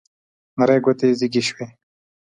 نرۍ ګوتې زیږې شوې